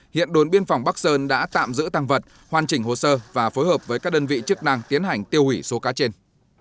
hiện đồn biên phòng bắc sơn đã tạm giữ tăng vật hoàn chỉnh hồ sơ và phối hợp với các đơn vị chức năng tiến hành tiêu hủy số cá trên